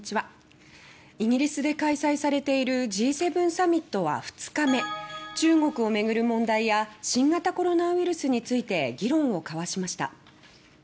イギリスで開催されているＧ７サミットは、２日目中国をめぐる問題や新型コロナウイルスについて議論を交わしました。